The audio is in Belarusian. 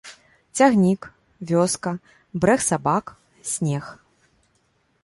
Цягнік, вёска, брэх сабак, снег.